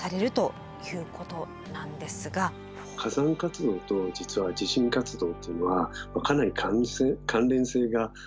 火山活動と実は地震活動というのはかなり関連性があります。